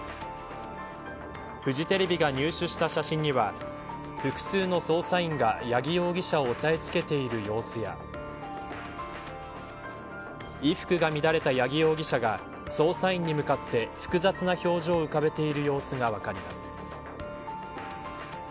フジテレビが入手した写真には複数の捜査員が八木容疑者を押さえ付けている様子や衣服が乱れた八木容疑者が捜査員に向かって複雑な表情を浮かべている様子が分かります。